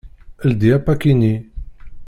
Ldi apaki-nni.